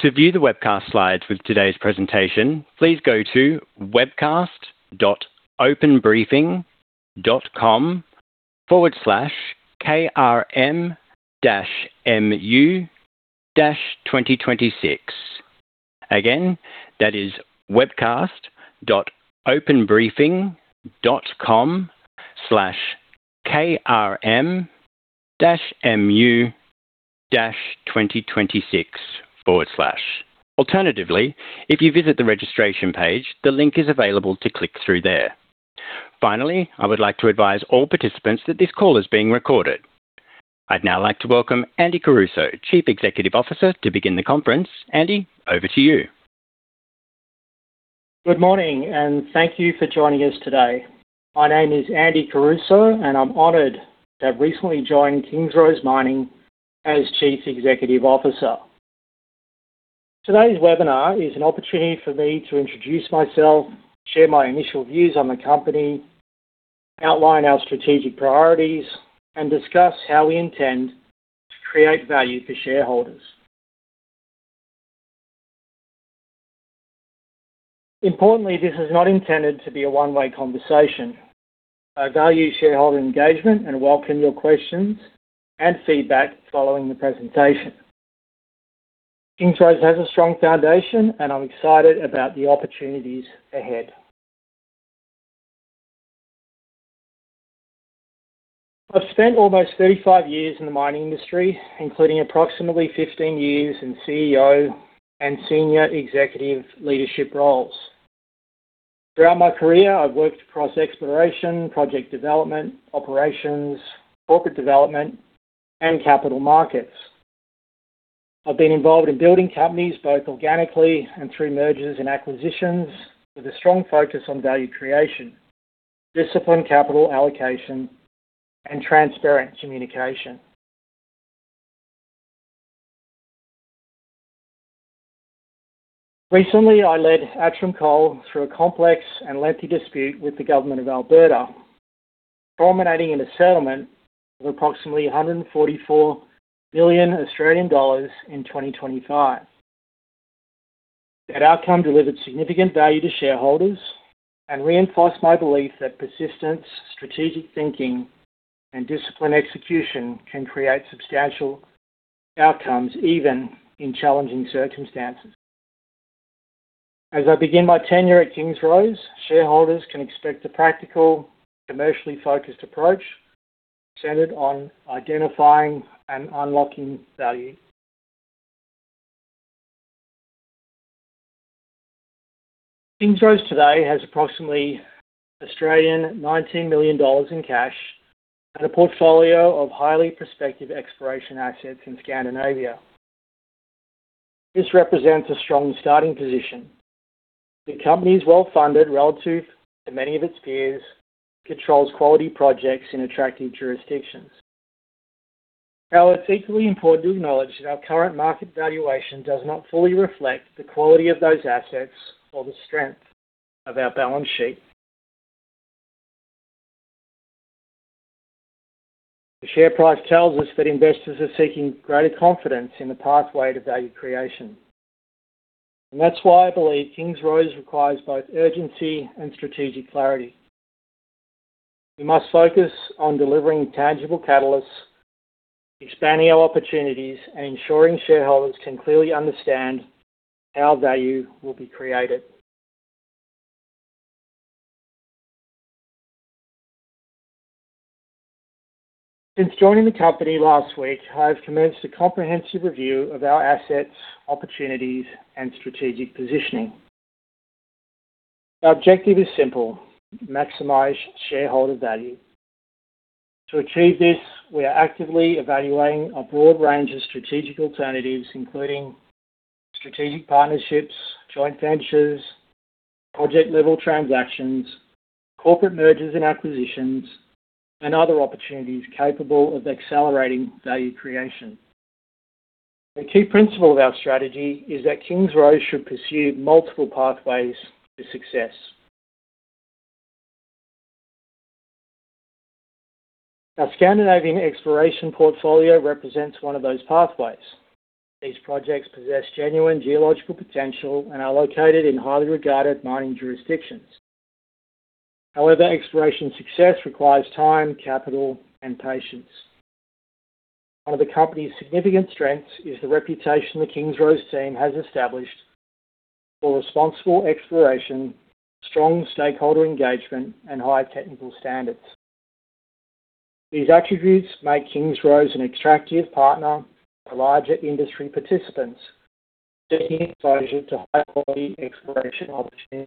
To view the webcast slides for today's presentation, please go to webcast.openbriefing.com/krm-mu-2026. Again, that is webcast.openbriefing.com/krm-mu-2026/. Alternatively, if you visit the registration page, the link is available to click through there. Finally, I would like to advise all participants that this call is being recorded. I'd now like to welcome Andrew Caruso, Chief Executive Officer, to begin the conference. Andy, over to you. Good morning, and thank you for joining us today. My name is Andrew Caruso, and I'm honored to have recently joined Kingsrose Mining as Chief Executive Officer. Today's webinar is an opportunity for me to introduce myself, share my initial views on the company, outline our strategic priorities, and discuss how we intend to create value for shareholders. Importantly, this is not intended to be a one-way conversation. I value shareholder engagement and welcome your questions and feedback following the presentation. Kingsrose has a strong foundation, and I'm excited about the opportunities ahead. I've spent almost 35 years in the mining industry, including approximately 15 years in CEO and senior executive leadership roles. Throughout my career, I've worked across exploration, project development, operations, corporate development, and capital markets. I've been involved in building companies both organically and through mergers and acquisitions, with a strong focus on value creation, disciplined capital allocation, and transparent communication. Recently, I led Atrum Coal through a complex and lengthy dispute with the government of Alberta, culminating in a settlement of approximately 144 million Australian dollars in 2025. That outcome delivered significant value to shareholders and reinforced my belief that persistence, strategic thinking, and disciplined execution can create substantial outcomes even in challenging circumstances. As I begin my tenure at Kingsrose, shareholders can expect a practical, commercially focused approach centered on identifying and unlocking value. Kingsrose today has approximately 19 million Australian dollars in cash and a portfolio of highly prospective exploration assets in Scandinavia. This represents a strong starting position. The company is well-funded relative to many of its peers, controls quality projects in attractive jurisdictions. It's equally important to acknowledge that our current market valuation does not fully reflect the quality of those assets or the strength of our balance sheet. The share price tells us that investors are seeking greater confidence in the pathway to value creation. That's why I believe Kingsrose requires both urgency and strategic clarity. We must focus on delivering tangible catalysts, expanding our opportunities, and ensuring shareholders can clearly understand how value will be created. Since joining the company last week, I have commenced a comprehensive review of our assets, opportunities, and strategic positioning. Our objective is simple: maximize shareholder value. To achieve this, we are actively evaluating a broad range of strategic alternatives, including strategic partnerships, joint ventures, project-level transactions, corporate mergers and acquisitions, and other opportunities capable of accelerating value creation. The key principle of our strategy is that Kingsrose should pursue multiple pathways to success. Our Scandinavian exploration portfolio represents one of those pathways. These projects possess genuine geological potential and are located in highly regarded mining jurisdictions. However, exploration success requires time, capital, and patience. One of the company's significant strengths is the reputation the Kingsrose team has established for responsible exploration, strong stakeholder engagement, and high technical standards. These attributes make Kingsrose an attractive partner for larger industry participants seeking exposure to high-quality exploration opportunities.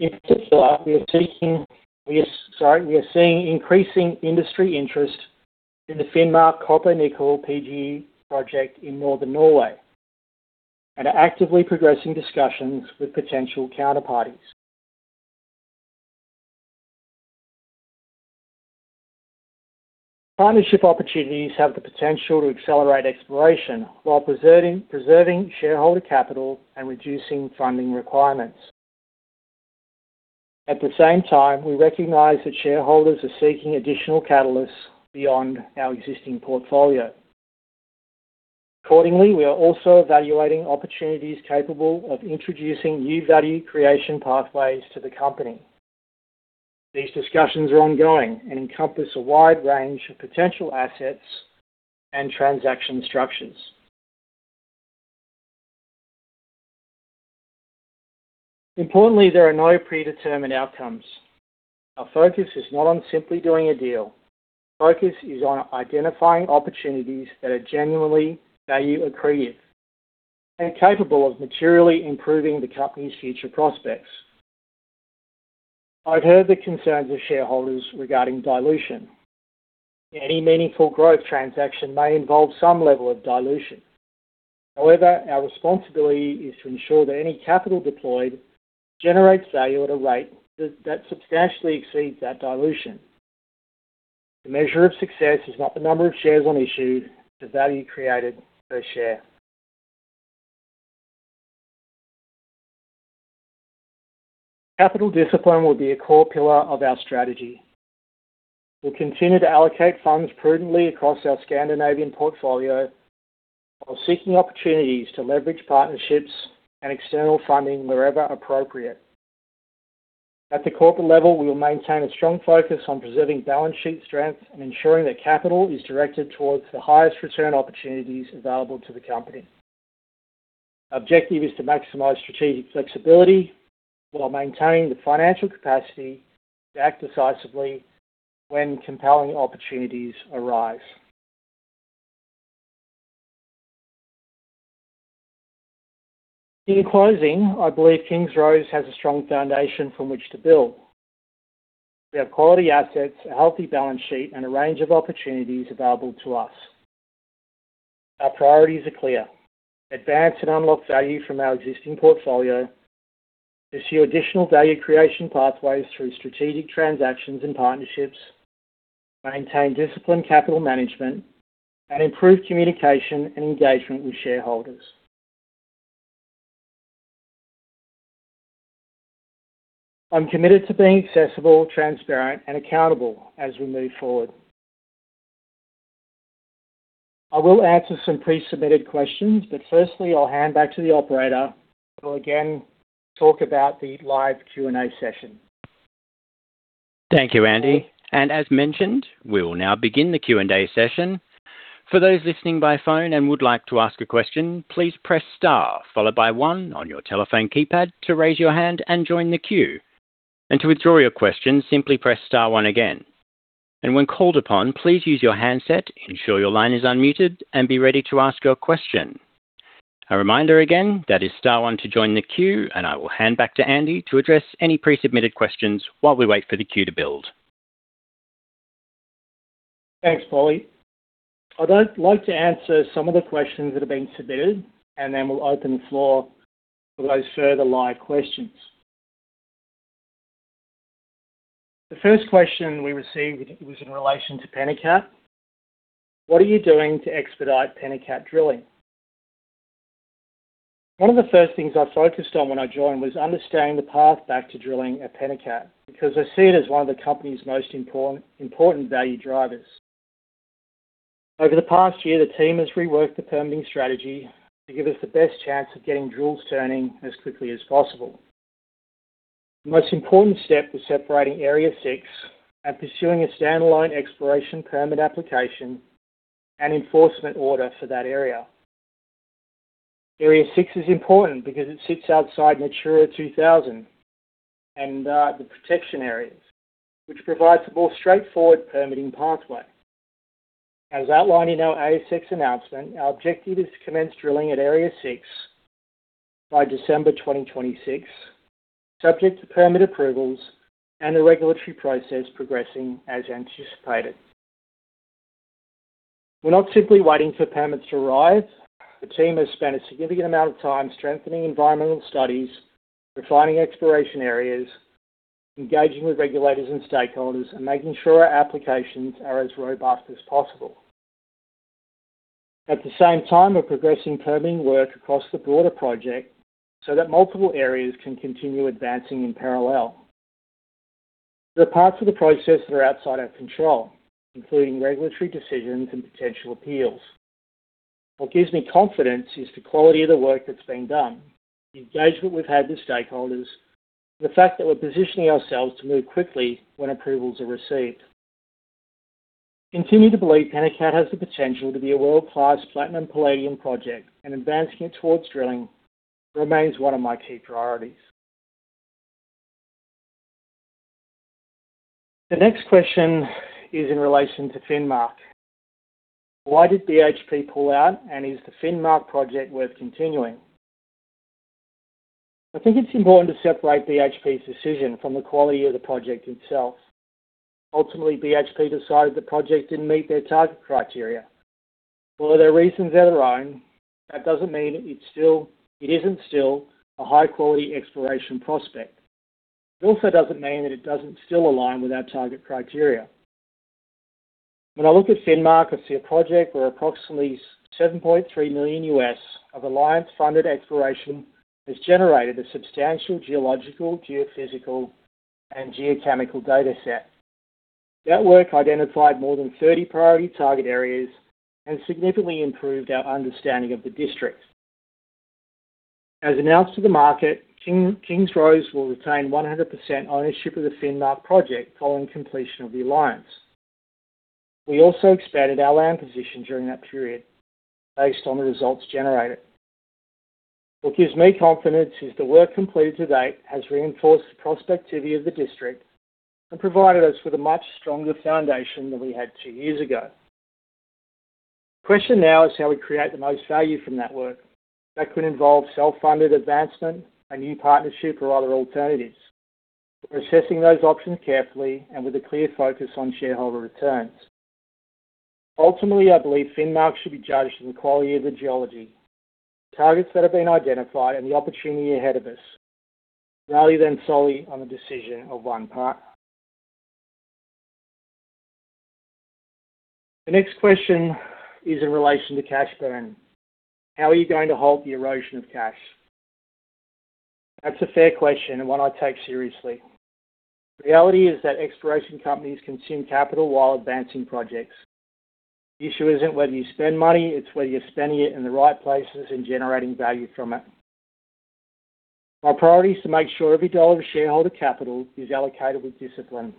In particular, we are seeing increasing industry interest in the Finnmark copper-nickel PGE project in northern Norway and are actively progressing discussions with potential counterparties. Partnership opportunities have the potential to accelerate exploration while preserving shareholder capital and reducing funding requirements. At the same time, we recognize that shareholders are seeking additional catalysts beyond our existing portfolio. Accordingly, we are also evaluating opportunities capable of introducing new value creation pathways to the company. These discussions are ongoing and encompass a wide range of potential assets and transaction structures. Importantly, there are no predetermined outcomes. Our focus is not on simply doing a deal. Our focus is on identifying opportunities that are genuinely value accretive and capable of materially improving the company's future prospects. I have heard the concerns of shareholders regarding dilution. Any meaningful growth transaction may involve some level of dilution. However, our responsibility is to ensure that any capital deployed generates value at a rate that substantially exceeds that dilution. The measure of success is not the number of shares on issue, it is the value created per share. Capital discipline will be a core pillar of our strategy. We will continue to allocate funds prudently across our Scandinavian portfolio while seeking opportunities to leverage partnerships and external funding wherever appropriate. At the corporate level, we will maintain a strong focus on preserving balance sheet strength and ensuring that capital is directed towards the highest return opportunities available to the company. Our objective is to maximize strategic flexibility while maintaining the financial capacity to act decisively when compelling opportunities arise. In closing, I believe Kingsrose has a strong foundation from which to build. We have quality assets, a healthy balance sheet, and a range of opportunities available to us. Our priorities are clear. Advance and unlock value from our existing portfolio, pursue additional value creation pathways through strategic transactions and partnerships, maintain disciplined capital management, and improve communication and engagement with shareholders. I am committed to being accessible, transparent, and accountable as we move forward. I will answer some pre-submitted questions. Firstly, I will hand back to the operator who will again talk about the live Q&A session. Thank you, Andy. As mentioned, we will now begin the Q&A session. For those listening by phone and would like to ask a question, please press star, followed by one on your telephone keypad to raise your hand and join the queue. To withdraw your question, simply press star one again. When called upon, please use your handset, ensure your line is unmuted, and be ready to ask your question. A reminder again, that is star one to join the queue, and I will hand back to Andy to address any pre-submitted questions while we wait for the queue to build. Thanks, Paulie. I'd like to answer some of the questions that have been submitted, and then we'll open the floor for those further live questions. The first question we received was in relation to Penikat. What are you doing to expedite Penikat drilling? One of the first things I focused on when I joined was understanding the path back to drilling at Penikat, because I see it as one of the company's most important value drivers. Over the past year, the team has reworked the permitting strategy to give us the best chance of getting drills turning as quickly as possible. The most important step was separating Area 6 and pursuing a standalone exploration permit application and enforcement order for that area. Area 6 is important because it sits outside Natura 2000 and the protection areas, which provides a more straightforward permitting pathway. As outlined in our ASX announcement, our objective is to commence drilling at Area 6 by December 2026, subject to permit approvals and the regulatory process progressing as anticipated. We're not simply waiting for permits to arrive. The team has spent a significant amount of time strengthening environmental studies, refining exploration areas, engaging with regulators and stakeholders, and making sure our applications are as robust as possible. At the same time, we're progressing permitting work across the broader project so that multiple areas can continue advancing in parallel. There are parts of the process that are outside our control, including regulatory decisions and potential appeals. What gives me confidence is the quality of the work that's been done, the engagement we've had with stakeholders, and the fact that we're positioning ourselves to move quickly when approvals are received. I continue to believe Penikat has the potential to be a world-class platinum palladium project, and advancing it towards drilling remains one of my key priorities. The next question is in relation to Finnmark. Why did BHP pull out, and is the Finnmark project worth continuing? I think it's important to separate BHP's decision from the quality of the project itself. Ultimately, BHP decided the project didn't meet their target criteria. While there are reasons of their own, that doesn't mean it isn't still a high-quality exploration prospect. It also doesn't mean that it doesn't still align with our target criteria. When I look at Finnmark, I see a project where approximately $7.3 million of alliance-funded exploration has generated a substantial geological, geophysical, and geochemical data set. That work identified more than 30 priority target areas and significantly improved our understanding of the district. As announced to the market, Kingsrose will retain 100% ownership of the Finnmark project following completion of the alliance. We also expanded our land position during that period based on the results generated. What gives me confidence is the work completed to date has reinforced the prospectivity of the district and provided us with a much stronger foundation than we had two years ago. The question now is how we create the most value from that work. That could involve self-funded advancement, a new partnership, or other alternatives. We're assessing those options carefully and with a clear focus on shareholder returns. Ultimately, I believe Finnmark should be judged on the quality of the geology, targets that have been identified, and the opportunity ahead of us, rather than solely on the decision of one partner. The next question is in relation to cash burn. How are you going to halt the erosion of cash? That's a fair question and one I take seriously. The reality is that exploration companies consume capital while advancing projects. The issue isn't whether you spend money, it's whether you're spending it in the right places and generating value from it. My priority is to make sure every AUD of shareholder capital is allocated with discipline.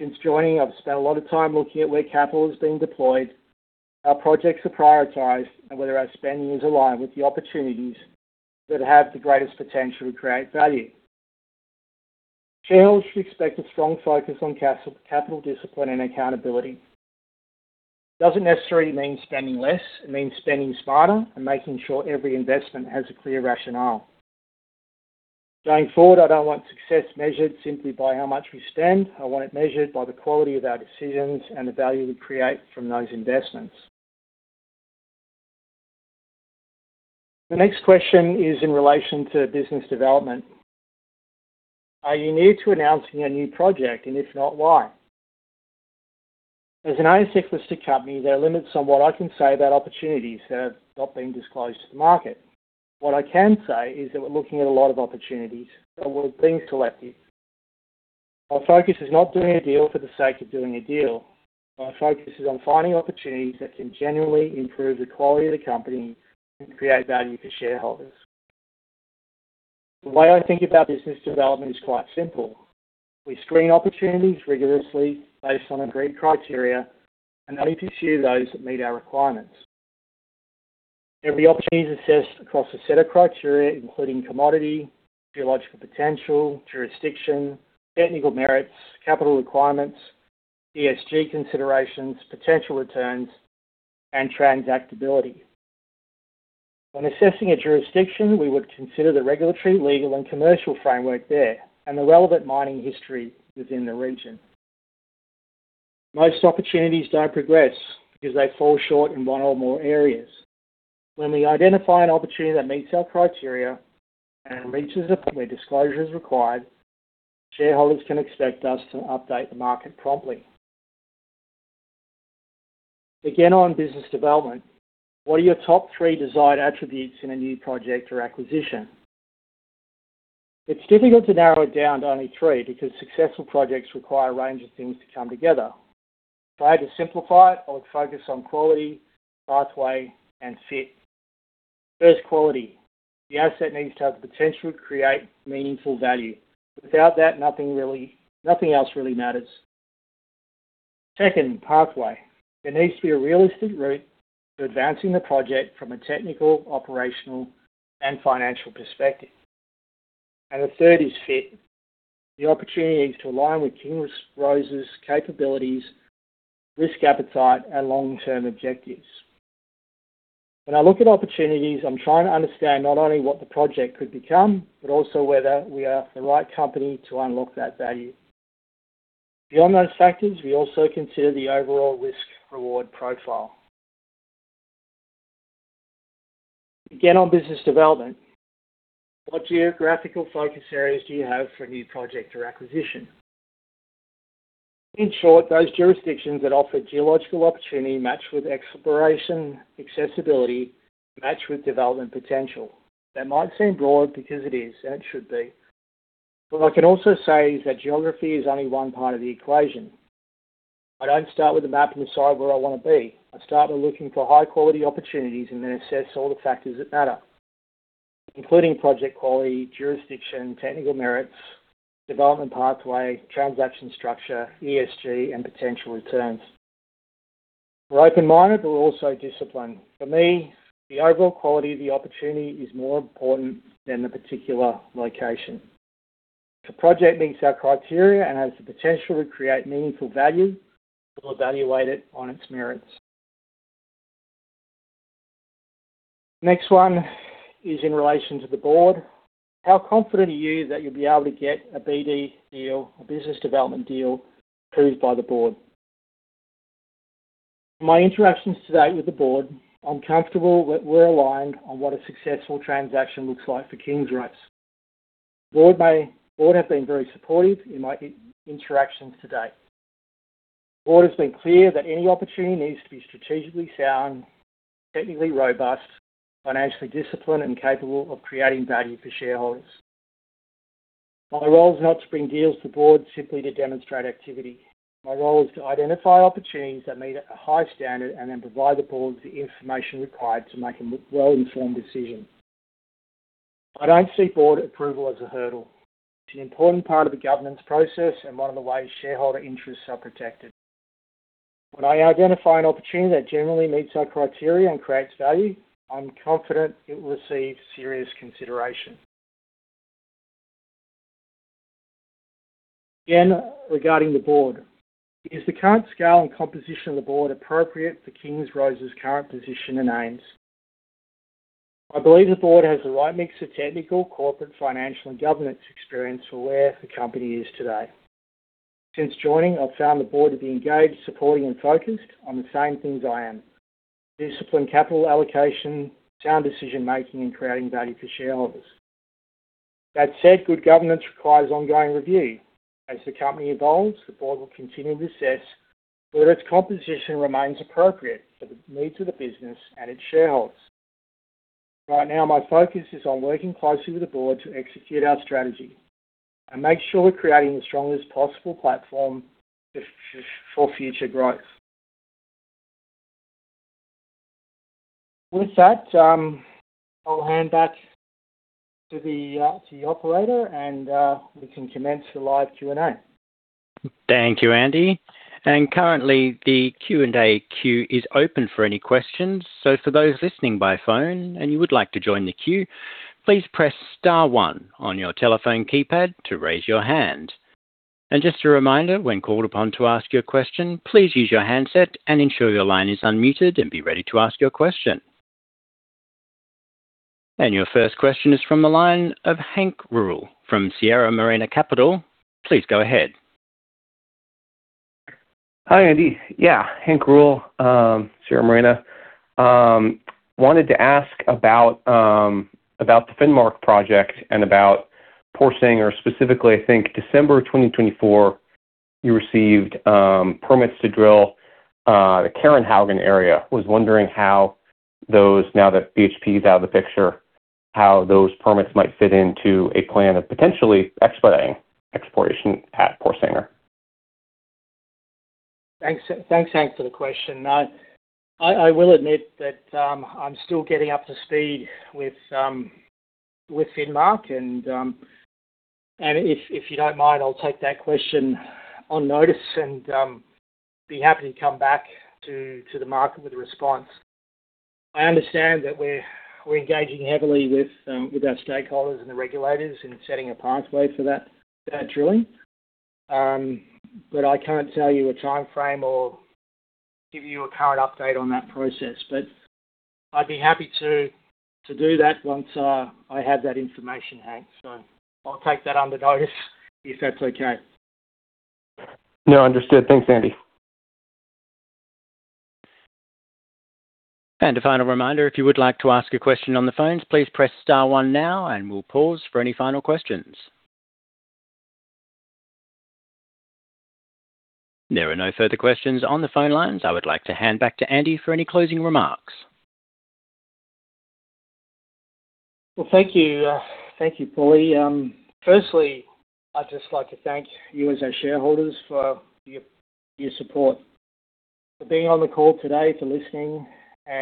Since joining, I've spent a lot of time looking at where capital is being deployed, how projects are prioritized, and whether our spending is aligned with the opportunities that have the greatest potential to create value. Shareholders should expect a strong focus on capital discipline and accountability. It doesn't necessarily mean spending less, it means spending smarter and making sure every investment has a clear rationale. Going forward, I don't want success measured simply by how much we spend. I want it measured by the quality of our decisions and the value we create from those investments. The next question is in relation to business development. Are you near to announcing a new project, and if not, why? As an ASX-listed company, there are limits on what I can say about opportunities that have not been disclosed to the market. What I can say is that we're looking at a lot of opportunities, but we're being selective. Our focus is not doing a deal for the sake of doing a deal. Our focus is on finding opportunities that can genuinely improve the quality of the company and create value for shareholders. The way I think about business development is quite simple. We screen opportunities rigorously based on agreed criteria and only pursue those that meet our requirements. Every opportunity is assessed across a set of criteria, including commodity, geological potential, jurisdiction, technical merits, capital requirements, ESG considerations, potential returns, and transactability. When assessing a jurisdiction, we would consider the regulatory, legal, and commercial framework there and the relevant mining history within the region. Most opportunities don't progress because they fall short in one or more areas. When we identify an opportunity that meets our criteria and reaches a point where disclosure is required, shareholders can expect us to update the market promptly. Again, on business development, what are your top three desired attributes in a new project or acquisition? It's difficult to narrow it down to only three because successful projects require a range of things to come together. If I had to simplify it, I would focus on quality, pathway, and fit. First, quality. The asset needs to have the potential to create meaningful value. Without that, nothing else really matters. Second, pathway. There needs to be a realistic route to advancing the project from a technical, operational, and financial perspective. The third is fit. The opportunity needs to align with Kingsrose's capabilities, risk appetite, and long-term objectives. When I look at opportunities, I'm trying to understand not only what the project could become, but also whether we are the right company to unlock that value. Beyond those factors, we also consider the overall risk-reward profile. Again, on business development, what geographical focus areas do you have for a new project or acquisition? In short, those jurisdictions that offer geological opportunity matched with exploration accessibility, matched with development potential. That might seem broad because it is, and it should be. What I can also say is that geography is only one part of the equation. I don't start with a map and decide where I want to be. I start by looking for high-quality opportunities and then assess all the factors that matter, including project quality, jurisdiction, technical merits, development pathway, transaction structure, ESG, and potential returns. We're open-minded, but we're also disciplined. For me, the overall quality of the opportunity is more important than the particular location. If a project meets our criteria and has the potential to create meaningful value, we'll evaluate it on its merits. In relation to the board. How confident are you that you'll be able to get a BD deal, a business development deal, approved by the board? From my interactions to date with the board, I'm comfortable that we're aligned on what a successful transaction looks like for Kingsrose. The board has been very supportive in my interactions to date. The board has been clear that any opportunity needs to be strategically sound, technically robust, financially disciplined, and capable of creating value for shareholders. My role is not to bring deals to the board simply to demonstrate activity. My role is to identify opportunities that meet a high standard and then provide the board the information required to make a well-informed decision. I don't see board approval as a hurdle. It's an important part of the governance process and one of the ways shareholder interests are protected. When I identify an opportunity that generally meets our criteria and creates value, I'm confident it will receive serious consideration. Again, regarding the board. Is the current scale and composition of the board appropriate for Kingsrose's current position and aims? I believe the board has the right mix of technical, corporate, financial, and governance experience for where the company is today. Since joining, I've found the board to be engaged, supporting, and focused on the same things I am: disciplined capital allocation, sound decision-making, and creating value for shareholders. Good governance requires ongoing review. As the company evolves, the board will continue to assess whether its composition remains appropriate for the needs of the business and its shareholders. Right now, my focus is on working closely with the board to execute our strategy and make sure we're creating the strongest possible platform for future growth. I'll hand back to the operator and we can commence the live Q&A. Thank you, Andy. Currently, the Q&A queue is open for any questions. For those listening by phone and you would like to join the queue, please press star one on your telephone keypad to raise your hand. Just a reminder, when called upon to ask your question, please use your handset and ensure your line is unmuted and be ready to ask your question. Your first question is from the line of Hank Rule from Sierra Morena Capital. Please go ahead. Hi, Andy. Hank Rule, Sierra Morena. Wanted to ask about the Finnmark project and about Porsanger specifically. I think December 2024, you received permits to drill the Karenhaugen area. Was wondering how those, now that BHP's out of the picture, how those permits might fit into a plan of potentially expediting exploration at Porsanger. Thanks, Hank, for the question. I will admit that I'm still getting up to speed with Finnmark. If you don't mind, I'll take that question on notice and be happy to come back to the market with a response. I understand that we're engaging heavily with our stakeholders and the regulators in setting a pathway for that drilling. I can't tell you a timeframe or give you a current update on that process. I'd be happy to do that once, I have that information, Hank. I'll take that under notice if that's okay. No, understood. Thanks, Andy. A final reminder, if you would like to ask a question on the phones, please press star one now, and we'll pause for any final questions. There are no further questions on the phone lines. I would like to hand back to Andy for any closing remarks. Well, thank you. Thank you, Paulie. Firstly, I'd just like to thank you as our shareholders for your support, for being on the call today, for listening. I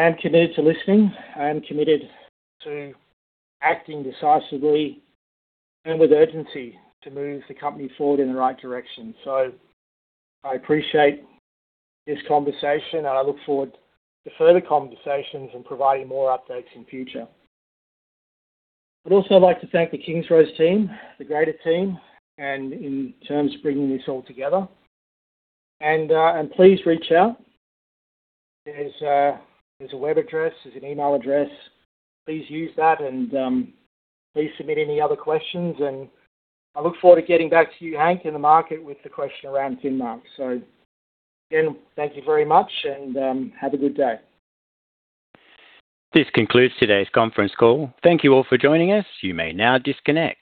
am committed to listening. I am committed to acting decisively and with urgency to move the company forward in the right direction. I appreciate this conversation, and I look forward to further conversations and providing more updates in future. I'd also like to thank the Kingsrose team, the greater team, and in terms of bringing this all together. Please reach out. There's a web address, there's an email address. Please use that, please submit any other questions, and I look forward to getting back to you, Hank, in the market with the question around Finnmark. Again, thank you very much and have a good day. This concludes today's conference call. Thank you all for joining us. You may now disconnect.